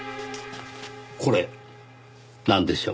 これなんでしょう？